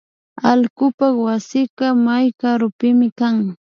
Allkupak wasika may karupimi kan